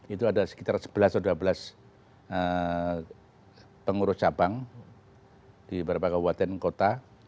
itu ada sekitar sebelas atau dua belas pengurus cabang di beberapa kabupaten kota